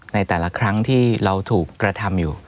ในแต่ละครั้งที่เราถูกกระทำอยู่